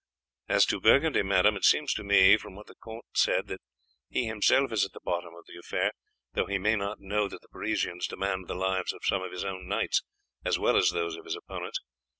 "As to Burgundy, madame, it seems to me from what the count said that he himself is at the bottom of the affair, though he may not know that the Parisians demand the lives of some of his own knights as well as those of his opponents.